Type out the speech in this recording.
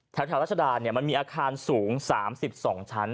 แถวราชดาเนี่ยมันมีอาคารสูง๓๒ชั้น